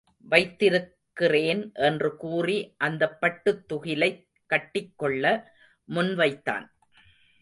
வைத்திருக்கிறேன் என்று கூறி அந்தப் பட்டுத் துகிலைக் கட்டிக்கொள்ள முன் வைத்தான்.